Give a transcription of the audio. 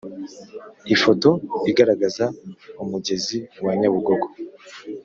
Ifoto igaragaza umugezi wa Nyabugogo